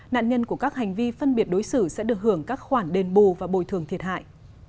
nạn nhân của các hành vi phân biệt đối xử sẽ được hưởng các khoản đền bù và bồi thường thiệt hại